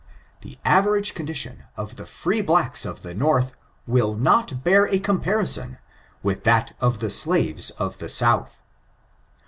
The average condition of the free blacks of the North, will not bear a comparison with that of the slaves of the South.